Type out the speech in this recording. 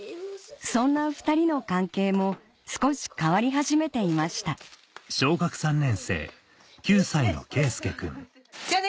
そんな２人の関係も少し変わり始めていましたじゃあね